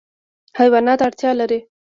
حیوانات اړتیا لري.